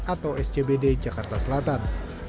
atau scbd jakarta selatan